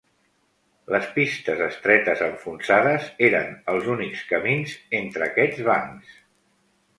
Les pistes estretes enfonsades eren els únics camins entre aquests bancs.